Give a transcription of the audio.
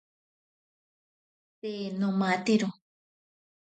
Te nomatero.